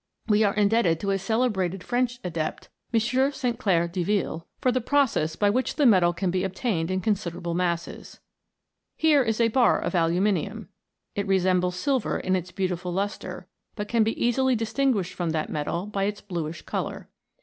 We are indebted to a cele brated French adept* for the process by which the metal can be obtained in considerable masses. Here is a bar of aluminium. It resembles silver in its beautiful lustre, but can be easily dis tinguished from that metal by its bluish colour.